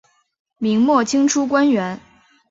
明末清初官员。